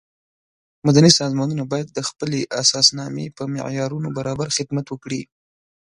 مدني سازمانونه باید د خپلې اساسنامې په معیارونو برابر خدمت وکړي.